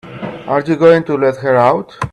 Are you going to let her out?